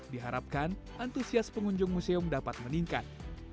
diharapkan antusias pengunjung museum dapat meningkat